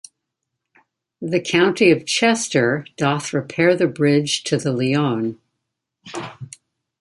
The county of Chester doth repair the bridge to the Lyon.